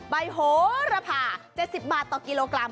ใบโหระผ่าเจ็ดสิบบาทต่อกิโลกรัม